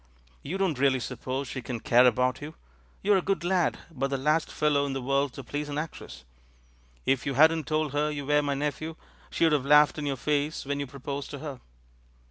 You don't really suppose she can care about you. You're a good lad, but the last fellow in the world to please an actress. If you hadn't told her you were my nephew, she'd have laughed in your face when you proposed to her."